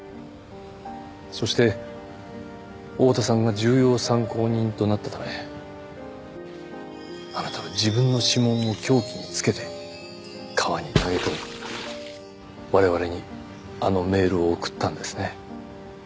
そして大多さんが重要参考人となったためあなたは自分の指紋を凶器につけて川に投げ込み我々にあのメールを送ったんですね。